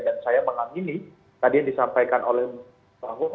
dan saya menganggini tadi yang disampaikan oleh pak boko